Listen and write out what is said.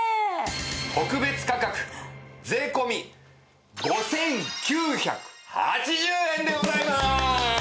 特別価格税込５９８０円でございます！